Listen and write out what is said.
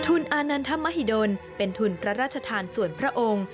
อานันทมหิดลเป็นทุนพระราชทานส่วนพระองค์